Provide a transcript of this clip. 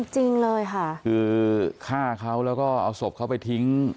จริงเลยค่ะคือฆ่าเขาแล้วก็เอาศพเขาไปทิ้ง